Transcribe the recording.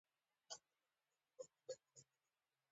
پیره دار عسکر ته مې وکتل، له کټارې سره داسې پرېوتم.